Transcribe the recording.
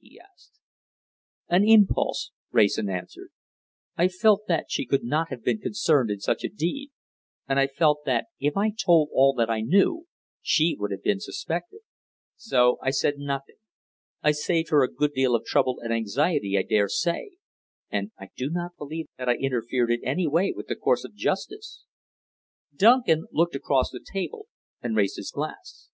he asked. "An impulse," Wrayson answered. "I felt that she could not have been concerned in such a deed, and I felt that if I told all that I knew, she would have been suspected. So I said nothing. I saved her a good deal of trouble and anxiety I dare say, and I do not believe that I interfered in any way with the course of justice." Duncan looked across the table and raised his glass.